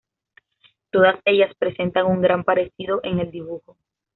Todas ellas presentan un gran parecido en el dibujo.